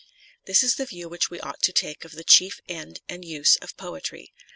This 'is the view which we ought to take of the chief end and use of poetry.